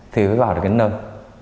thì phải vào được cái nơi